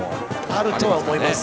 あるとは思います。